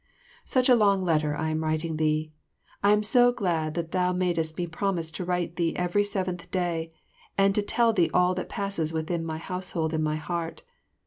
Such a long letter I am writing thee. I am so glad that though madest me promise to write thee every seventh day, and to tell thee all that passes within my household and my heart.